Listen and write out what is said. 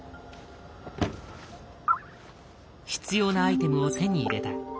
必要なアイテムを手に入れた。